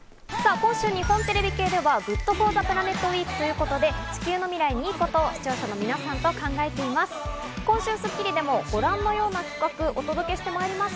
今週、日本テレビ系ではＧｏｏｄＦｏｒｔｈｅＰｌａｎｅｔウィークということで、地球の未来にいいことを視聴者の皆さんと考えています。